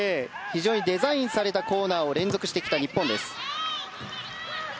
非常にデザインされたコーナーを連続してきた日本です。